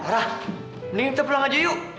laura mending kita pulang aja yuk